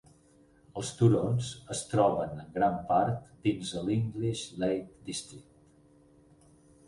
Els turons es troben en gran part dins el English Lake District.